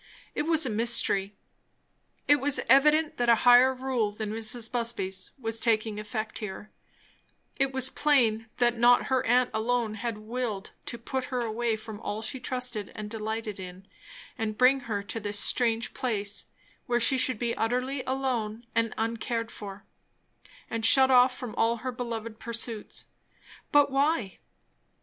It was mysterious. It was evident that a higher rule than Mrs. Busby's was taking effect here; it was plain that not her aunt alone had willed to put her away from all she trusted and delighted in, and bring her to this strange place; where she would be utterly alone and uncared for and shut off from all her beloved pursuits. But why?